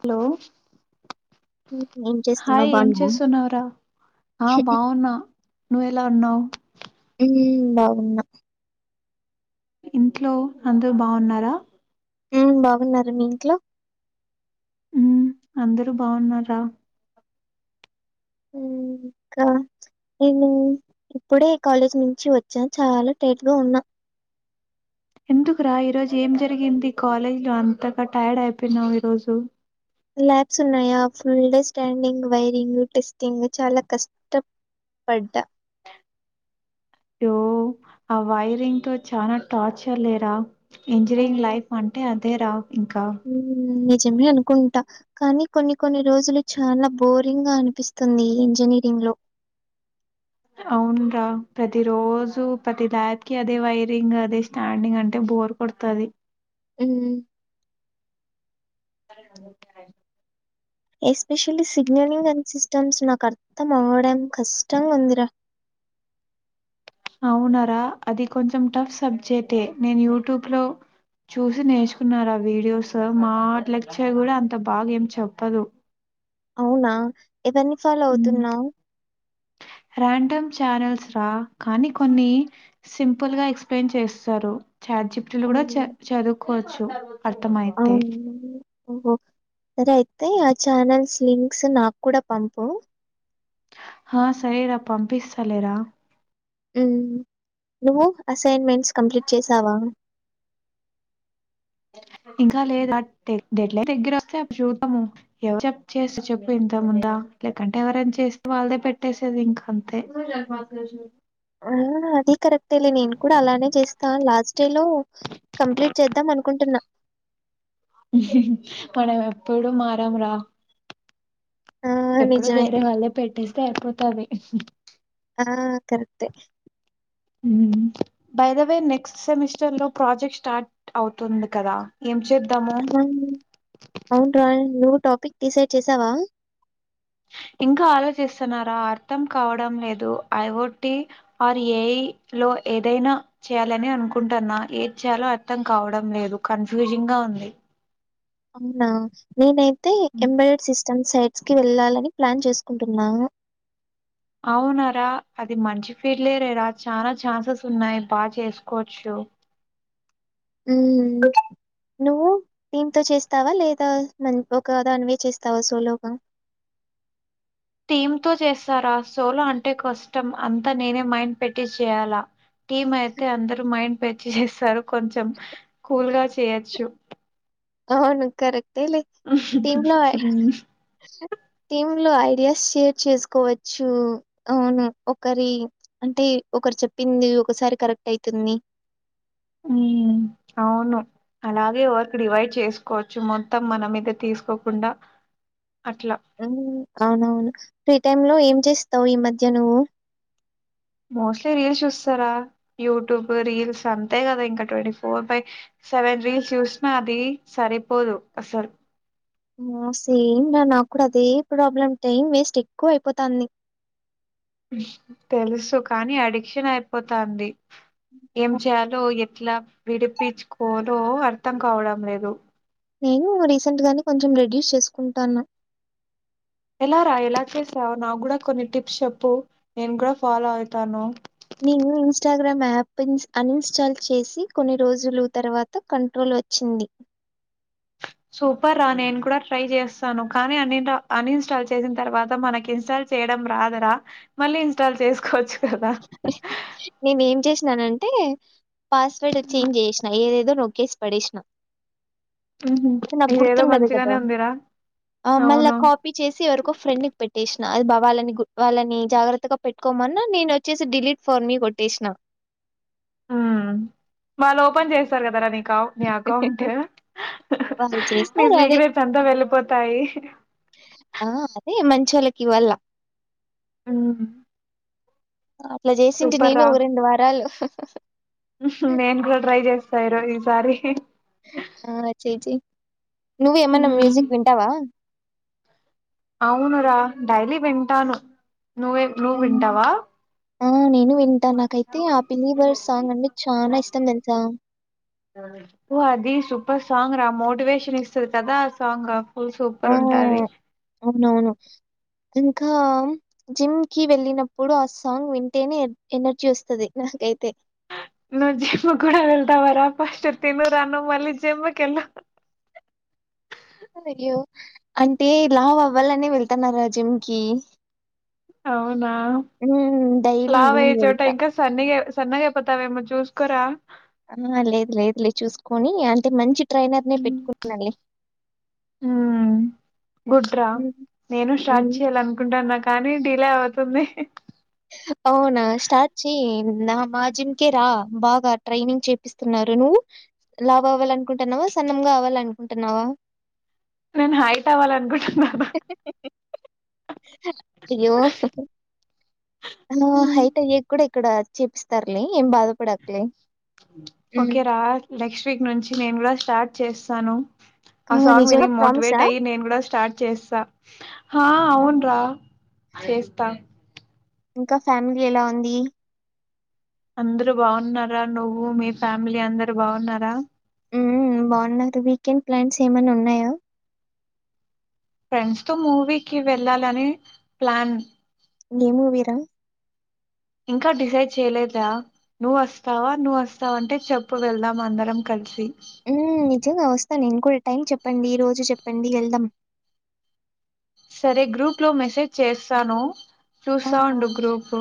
Hello hmm ఏం hi చేస్తున్నావు ఏం బాగున్నావా? చేస్తున్నావురా ఆ బాగున్నా నువ్వు ఎలా ఉన్నావు హు బాగున్నా ఇంట్లో అందరూ బాగున్నారా హు బాగున్నారు మీ ఇంట్లో ఉ అందరూ బాగున్న రా ఇంకా నేను ఇప్పుడే కాలేజ్ నుంచి వచ్చాను చాలా టైట్గా ఉన్నా ఎందుకురా ఈరోజు ఏం జరిగింది కాలేజ్లో అంతగా టైర్డ్ అయిపోయినావ్ ఈరోజు ల్యాబ్స్ ఉన్నాయా full day standing wiring testing చాలా కష్టపడ్డ అయో అ వైరింగ్ తో చనా టార్చర్ లేరా ఇంజనీరింగ్ లైఫ్ అంటే అదేరా ఇంకా ఊ నిజమే అనుకుంటా కానీ కొన్ని కొన్ని రోజులు చాలా బోరింగ్ గా అనిపిస్తుంది ఈ ఇంజనీరింగ్ లో అవున్రా ప్రతి రోజు ప్రతి దాారికి అదే వైరింగ్ అదే స్టాండింగ్ అంటే బోర్ కొడుతది హు [inaudible] ఎస్పెషల్లీ సిగ్నలింగ్ అండ్ సిస్టమ్స్ నాకు అర్థం అవ్వడం కష్టంగా ఉందిరా అవునార అది కొంచెం టఫ్ సబ్జెక్టే నేను యూట్యూబ్ లో చూసి నేర్చుకున్నారా వీడియోస్ మా లెక్చర్ కూడా అంత బాగా ఏం చెప్పదు అవునా ఎవరిని ఫాలో అవుతున్నావు రాండమ్ ఛానల్స్ రా కానీ కొన్ని సింపుల్ గా ఎక్స్ప్లెయిన్ చేస్తారు చాట్ జిప్టులు కూడా అవును చ చదువుకోవచ్చు అర్థం అయితే అవును ఓహో సరే అయితే ఆ ఛానల్స్ లింక్స్ నాకు కూడా పంపు ఆ సరేరా పంపిస్తలేెరా ఉం నువ్వు అసైన్మెంట్ కంప్లీట్ చేసావా ఇంకా లేదు యాక్టీ డెడ్ లే దగ్గర వస్తే అప్పుడు చూద్దాం ఎవరు చె చేస్త చెప్పు ఇంతముందా లేకంటే ఎవరైనా చేస్తే వాళ్ళదే పెట్టేసేది ఇంకా అంతే ఆ! అది కరెక్టేలే నేను కూడా అలానే చేస్తా లాస్ట్ డే లో కంప్లీట్ చేద్దాం అనుకుంటున్నా మనం ఎప్పుడు మారాం రా ఆ! ఎప్పుడు నిజమే. వేరే వాళ్ళే పెట్టిస్తే అయిపోతాది ఆ కరక్టే బైదవే నెక్స్ట్ సెమిస్టర్ లో ప్రాజెక్ట్ స్టార్ట్ అవుతుంది కదా ఏం చే హ అవును రా టాపిక్ డిసైడ్ చేసావా ఇంకా ఆలోచిస్తున్నారా అర్థం కావడం లేదు ఐ టి ఆర్ ఏ లో ఏదైనా చేయాలని అనుకుంటాన్నా ఏది చేయాలో అర్థం కావడం లేదు కన్ఫ్యూజింగ్ గా ఉంది అవునా నేనై తే ఎంబడ్ సిస్ స్టం సైట్స్ కి వెళ్ళాలని ప్లాన్ చేసుకుంటున్నాను అవునార అది మంచి ఫీల్డ్ లేరరా చానా ఛాన్సెస్ ఉన్నాయి బాగా చేసుకోవచ్చు నువ్వు టీమ్ తో చేస్తావా లేదా మ ఒకదాన్వే చేస్తావా సోలోగా టీమ్ తో చేస్తారా సోలో అంటే కష్టం అంతా నేనే మైండ్ పెట్టి చేయాలా టీమ్ అయితే అందరుూ మైండ్ పెట్టి చేస్తారు కొంచెం కూల్గాచే చేయాచ్చు అవును కరెక్ట్ తెలే టీమ్ లో హ్మ్. టీమ్ లో అయి ఎస్ షేర్ చేసుకోవచ్చు అవును ఒకరి అంటే ఒకరు చెప్పింది ఒకసారి కరెక్ట్ అయితుంది అవును అలాగే వర్కు డివైడ్ చేసుకోవచ్చు మొత్తం మన మీద తీసుకోకుండా అట్లా. అవును అవునవును ఫ్రీ టైమ్ లో ఏం చెస్థావ్ ఈ మధ్య నువ్వు మోస్ట్లీ రీల్స్ చూస్తారా యూట్యూబ్ రీల్స్ అంతే కదా ఇంకా twenty four by seven reels చూసినా అది సరిపోదు అసలు సేమ్ రా నాకు కూడా అదే ప్రాబ్లం టైం వేస్ట్ ఎక్కువ అయిపోతాంది తెలుసు కానీ అడిక్షన్ అయిపోతంది ఏం చయలో ఎప్ ఇట్లా విడిపించుకోలో అర్థం కావడం లేదు నేను రీసెంట్ గానే కొంచెం రెడ్యూస్ చేసుకుంటానా ఎలా రా ఎలా చేసావు నా కూడా కొన్ని టిప్స్ చెప్పు నేను కూడా ఫాలో అయితాను నేను ఇన్స్టాగ్రామ్ యాప్ అన్ఇన్స్టాల్ చేసి కొన్ని రోజులు తర్వాత కంట్రోల్ వచ్చింది సూపర్ రా నేను కూడా ట్రై చేస్తాను కానీ అ అన్ఇన్స్టాల్ చేసిన తర్వాత మనకి ఇన్స్టాల్ చేయడం రాదు రా మళ్ళీ ఇన్స్టాల్ చేసుకోవచ్చు కదా నేను ఏం చేస్త న్నానంటే పాస్వర్డ్ చేంజ్ చేసిన ఏదేదో నొక్కేసి పిడెసినా ఉహు అది నాకు ఇదేదో గుర్తుండదు కదా మంచిగానే ఉందిరా ఆ మళ్ళీ అవును కాపీ చేసి ఎవరికో ఫ్రెండ్ కి పెట్టేసా ఆది బా వాళ్ళని వాళ్ళని జాగ్రత్తగా పెట్టుకోమన్నా నేను వచి చి ఏసీ డిలీట్ ఫర్ మీ కొట్టేసిన ఉమ్ వాళ్ళు ఓపెన్ చేస్తారు కదా నీ నీ అకౌంట్ వాళ్ళు నీ చేస్తారు అదే సీక్రెట్స్ అంతా వెళ్ళిపోతాయి చొల్లకి ఇవాలా ఉమ్ అట్లా చేసింటి సూపర్ నేను రా రెండు వారాలు హు హు సరే ఈసారి ఆ చేయి చేయి నువ్వు ఏమన్నా ఉమ్, మ్యూజిక్ వింటావా అవును రా డైలీ వింటాను నువ్వే ఆ నువ్వు వింటావా ఆ నేను వింటా నాకైతే ఆ బిలీవర్ సాంగ్ అంటే చాలా ఇష్టం తెలుసా ఓ అది సూపర్ సాంగ్ రా మోటివేషన్ ఇస్తుది కదా ఆ సాంగ్ ఫుల్ ఆ సూపర్ ఉంటది అవునవును ఉమ్ ఇంకా జిమ్ కి వెళ్ళినప్పుడు ఆ సాంగ్ వింటేనే ఎనర్జీ వస్తుంది నాకైతే నువ్వు జిమ్ కూడా వెళ్తావా రా ఫస్ట్ తిను రా నువ్వు మళ్లీ జిమ్కి వెళ్ళు అయ్యో అంటే లావు అవ్వాలని వెళ్తన్నారు జిమ్ కి అవు నా డైలీ లావు అయ్యే ఈవినింగ్ చోట వెళ్తా. ఇంకా సన్నగా సన్నగా అయపోతావేమో చూసుకోరా ఆ లేదు లేదు లేదు చూసుకొని అంటే మంచి ట్రైనర్ ని పెట్టుకున్నాలే ఉమ్ గుడ్ రా నేను స్టార్ట్ చెయ్యాలి అనుకుంటున్నాను కానీ డిలే అవుతుంది అవునా స్టార్ట్ చెయ్ నా మా జిమ్ కే రా బాగా ట్రైనింగ్ చేపిస్తున్నారు నువ్వు లావు అవ్వాలనుకుంటున్నావా సనమ్గా అవ్వాల అనుకుంటున్నావా నేను హైట్ అవ్వాలనుకుంటునారా అయ్యో నువ్వు ఉమ్. హైట్ అయ్యాక కూడా ఇక్కడ చేూపిస్తారులే ఏం బాధపడకులే హ్మ్. ఓకే రా నెక్స్ట్ వీక్ నుంచి నేనుకూడా స్టార్ట్ చేస్తాను ఆ సాంగ్ విని నిజంగా ప్రామిసా? మోటివేట్ అయి నేను కూడా స్టార్ట్ చేస్తా హా ఆ! అవును్రా చేస్తా ఇంకా ఫ్యామిలీ ఎలా ఉంది అందరు బాగున్నా రా నువ్వు మీ ఫ్యామిలీ అందరు బాగున్నారా హ్మ్ బాగున్నారు వీకెండ్ ప్లాన్స్ ఏమయిన ఉన్నాయా ఫ్రెండ్స్ తో మూవీకి వెళ్ళాలని ప్లాన్ ఏ మూవీరా ఇంకా డిసైడ్ చేయలేద్‌రా నువ్వ్ వస్తావా నువ్వ్ వస్తావంటే చెప్పు వెళ్దాం అందరం కలిసి హ్మ్. నిజంగా వస్తా నేను కూడా టైం చెప్పండి ఈ రోజు చెప్పండి వెళ్దాం సరే గ్రూప్‌లో మెసేజ్ చేస్తాను ఆ! చూస్తా ఉండు గ్రూపు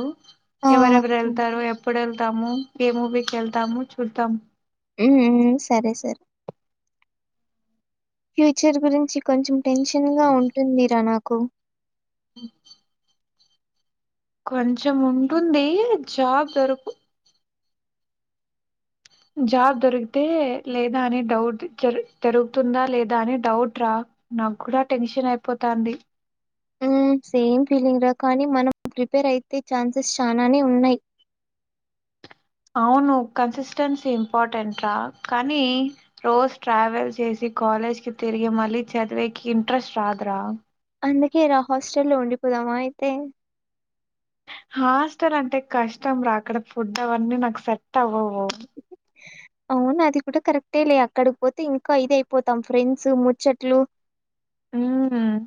ఆ! ఎవరెవరు హ్మ్. వెళ్తారు ఎప్పుడు వెళ్ తాము ఏం మూవీకి వెళ్తామో చూద్దాం హ్మ్ సరే సరే ఫ్యూచర్ గురించి కొంచెం టెన్షన్‌గా ఉంటుందిరా నాకు హ్మ్ కొంచెం ఉంటుంది జాబ్ దొరుకు జాబ్ దొరికితే లేదా అని డౌట్ దొరుకుతుందా లేదా అని డౌట్‌రా నాక్కూడా టెన్షన్ అయిపోతాంది సేమ్ ఫీలింగ్ రా కానీ మనం ప్రిపేర్ అయితే ఛాన్సెస్ చానానే ఉన్నాయి అవును కన్సిస్టెన్సీ ఇంపార్టెంట్ రా కానీ రోజు ట్రావెల్ చేసి కాలేజ్‌కీ‌‌ తిరిగి మళ్ళీ చదివేకి ఇంట్రెస్ట్ రాదురా అందుకే రా హాస్టల్లో ఉండిపోదామా అయితే హాస్టల్ అంటే కష్టం రా అక్కడ ఫుడ్ అవన్నీ నాకు సెట్ టవ్వవు అవును అది కూడా కరెక్టేలే అక్కడపోతే ఇంకా ఇదైపోతాం ఫ్రెండ్స్ ముచ్చట్లు హ్మ్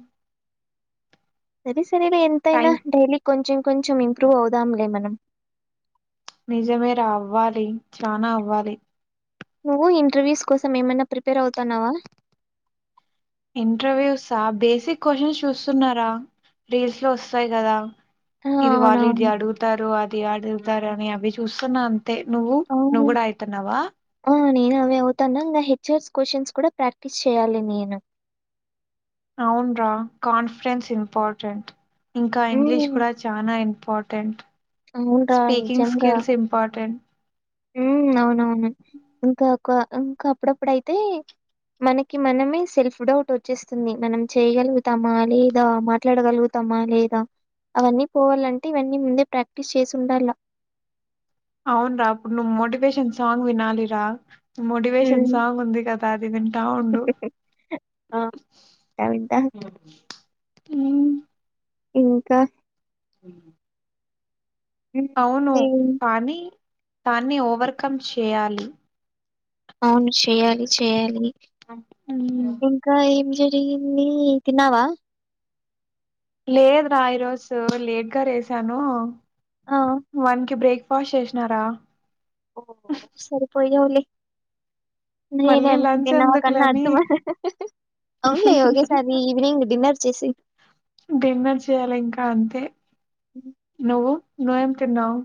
సరే స ఫిరుడు ఎంతైనా టైం డైలీ కొంచెం కొంచెం ఇంప్రూవ్ అవుదాంలే మనం నిజమేరా అవ్వాలి చానా అవ్వాలి నువ్వు ఇంటర్వ్యూస్ కోసం ఏమైనా ప్రిపేర్ అవుతాన్నావా ఇంటర్వ్యూసా బేసిక్ క్వశ్చన్స్ చూస్తున్నారా రీల్స్‌లో వస్తాయ్ కదా ఆ! ఇది వాళ్ళు ఇది అవునవును. అడుగుతారు అది అడుగు తారాని అవి చూస్తున్నాను ఆ అవు నేను అవేవతన్నా హెచ్చర్స్ క్వశ్చన్స్ కూడా ప్రాక్టీస్ చేయ్యాలి నేను అవున్రా కాన్ఫిడెన్స్ ఇంపార్టెంట్ ఇంకా ఇంగ్లీష్ హ్మ్. కూడా చానా ఇం ఇంపార్ర్టెంట్ అవునురా స్పీకింగ్ స్కిల్స్ ఇంపార్ర్టెంట్ ఊ అవునవును ఇంకొక ఇంకా అప్పుడప్పుడ అయితే మనకి మనమే సెల్ఫ్ డౌట్ వచ్చేస్తుంది మనం చేయగలుగుతామా లేదా మాట్లాడగలుగుతామా లేదా అవన్నీ పోవాలంటే ఇవన్నీ ముందే ప్రాక్టీస్ చేసి ఉండాల అవున రా అప్పుడు నువ్వు మోటివేషన్ సాంగ్ వినాలిరా మోటివేషన్ హ్మ్. సాంగ్ ఉంది కదా అది వింటా ఉండు ఆ! వింటా, వింటా. ఊ ఇంకా ఊ హ్మ్. అవును ఏం పానీ దాన్ని ఓవర్కమ్ చేయాలి అవును చేయాలి చెయాలి మ్మ్. ఇంకా ఏం జెప్ నీను తినవా లేదు రా ఈరోజు లేట్గా రేసాను ఆ! వన్కి బ్రేక్ వాష్ చేేషనాడా సరిపోయి ఎవర్ని నేనే మళ్ళీ అనుకుంటే లంచ్ నా కన్నా ఎందుకులని అద్దుమ అవున్లే ఒగేసారి ఈవనింగ్ డిన్నర్ చేేసియ్ డిన్నర్ చేయాలి ఇంకా అంతే నువ్వు నాయనుకున్నావ్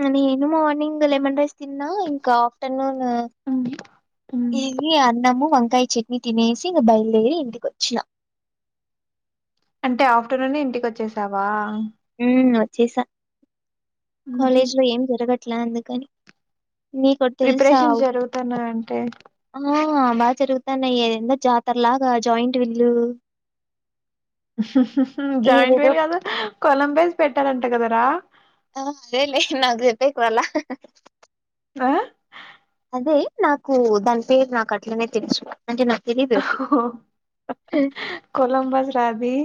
నేను ఈన మార్నింగ్ లెమన్ రైస్ తిన్నా ఇంకా ఆఫ్టర్నూన్ ఇది అన్నము వంకాయ చట్నీ తినేసి ఇగ బయలుదేరి ఇంటికి ఒచ్చినా అంటే ఆఫ్టర్నూన్ ఇంటికి వచ్చేసావా హ వచ్చేసా కాలేజ్ లో ఏం జరగట్ అట్లా అందుకని నీకోటి తెలుసా ప్రిపరేషన్ జరుగుతున్నాయంటే ఆ బాగా జరుగుతాన్నాయి ఏందో జాతర్లాగా జాయింట్ విల్లు [unintelligible] ఊ జాయింట్ ఏదేదో వీల్ కాదు కొలంబస్ పెట్టారంట కదా ఆ ఆ లే లే నాకు జెప్పెక్ వల్ల ఆ అదే నాకు దాని పేరు నాకు అట్లనే తెలుసు అంటే నాకు తెలియదు అది ఓ కొలంబస్ రా అది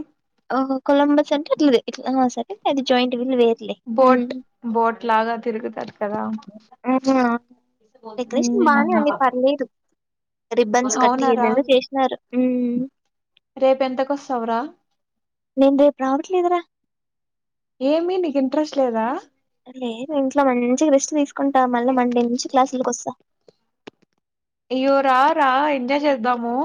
ఓహో కొలంబస్ అంటే అట్ల తెల్ ఇట్లా సరే అది జాయింట్ వీలు వేర్ బోట్ బోట్ లాగా తిరుగుతది కదా ఆహా, డెకరేషన్ బానే ఉంది పర్లేదు రిబ్బన్స్ కట్టి ఎందెందో చేసినారు హుమ్ రేపెంతకొస్తవు రా నేన్ రేపు రావట్లేదు రా ఏమి నీకు ఇంట్రెస్ట్ లేదా లేదు ఇంట్లో మంచిగా రెస్ట్ తీసుకు కుంటా మళ్ళ మండే నుంచి క్లాసుల్ కొస్తా అయ్యో రా రా ఎంజాయ్ చేద్దాము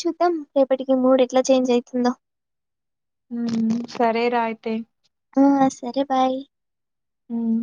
చూద్దాం రేపటికి మూడ్ ఎట్లా చేంజ్ అయితుందో సరేరా అయితే ఆ సరే బాయ్ హుమ్